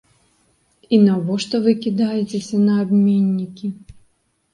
І навошта вы кідаецеся на абменнікі?